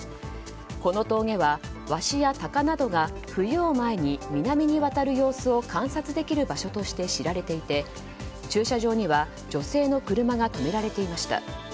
この峠はワシやタカなどが冬を前に南にわたる様子を観察できる場所として知られていて駐車場には、女性の車が止められていました。